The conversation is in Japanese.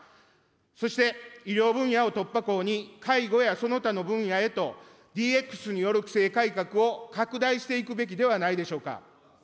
そして、医療分野を突破口に、介護やその他の分野へと、ＤＸによる規制改革を拡大していくべきではないでしょうか。